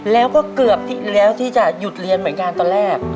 แล้วก็เกือบแล้วที่จะหยุดเรียนเหมือนกันตอนแรก